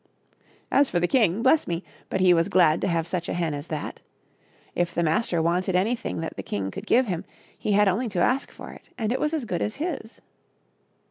As for the king, bless me ! but he was glad to have such a hen as that. If the master wanted anything that the king could give him, he had only to ask for it and it was as good as his.